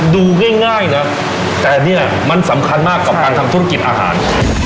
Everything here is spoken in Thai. ดูง่ายนะแต่เนี่ยมันสำคัญมากกับการทำธุรกิจอาหาร